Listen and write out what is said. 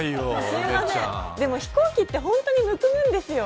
すみません、でも飛行機って本当にむくむんですよ。